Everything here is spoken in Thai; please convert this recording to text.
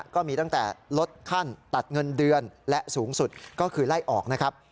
ก็มีตั้งแต่ลดขั้นตัดเงินเดือนและสูงสุดก็คือไล่ออกนะครับ